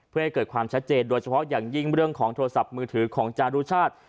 เพื่อให้เกิดความชัดเจนโดยเฉพาะอย่างยิ่งเรื่องของโทรศัพท์มือถือของจารุชาติ